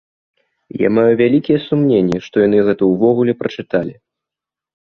Я маю вялікія сумненні, што яны гэта ўвогуле прачыталі.